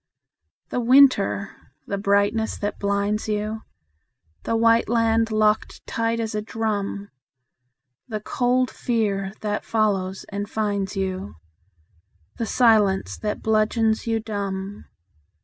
The winter! the brightness that blinds you, The white land locked tight as a drum, The cold fear that follows and finds you, The silence that bludgeons you dumb.